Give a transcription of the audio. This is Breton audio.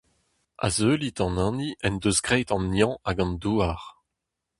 Azeulit an Hini en deus graet an Neñv hag an douar.